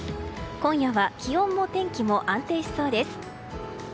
今夜は気温も天気も安定しそうです。